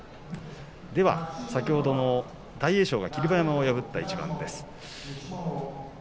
では先ほどの大栄翔霧馬山を破った一番です。